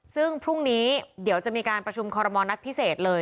ซึ่งพรุ่งนี้เดี๋ยวจะมีการประชุมคอรมณ์นัดพิเศษเลย